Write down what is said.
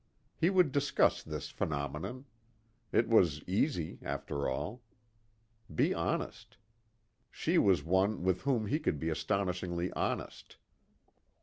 He would discuss this phenomenon. It was easy, after all. Be honest. She was one with whom he could be astonishingly honest.